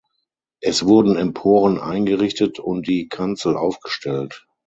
Es wurden Emporen eingerichtet und die Kanzel aufgestellt.